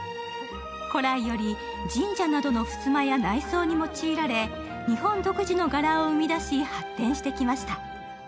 古来より、神社などのふすまや内装に用いられ、日本独自の柄を生み出し、発展してきました。